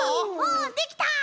おできた！